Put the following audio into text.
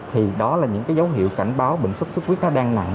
thì đó là những cái dấu hiệu cảnh báo bệnh sốt sốt huyết nó đang nặng